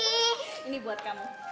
ini buat kamu